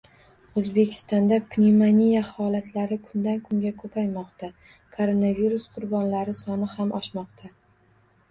O‘zbekistonda pnevmoniya holatlari kundan kunga ko‘paymoqda, koronavirus qurbonlari soni ham oshmoqda